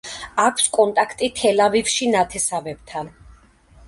აქვს კონტაქტი თელ-ავივში ნათესავებთან.